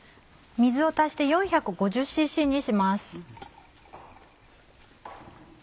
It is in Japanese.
水を足して４５０ｃｃにします。